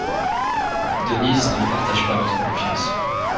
Denise ne partage pas votre confiance.